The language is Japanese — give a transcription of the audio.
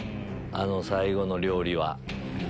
あの最後の料理は。